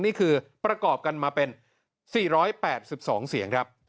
นี่คือประกอบกันมาเป็น๔๘๒เสียงครับ